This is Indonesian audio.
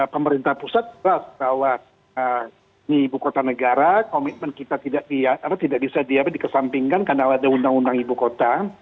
pemerintah pusat jelas bahwa ini ibu kota negara komitmen kita tidak bisa dikesampingkan karena ada undang undang ibu kota